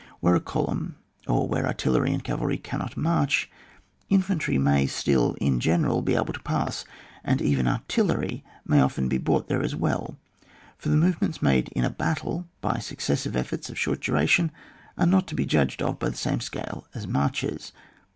Where a column, or where artillery and cavalry cannot mareh^ infantry may still, in general, be able to pass, and even artillery may often be brought there as well, for the movements made in a battle by excessive efiEbrts of short duration are not to be judged of by the same scale as marches.